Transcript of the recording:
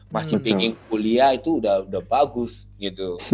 masih ingin kuliah itu udah bagus gitu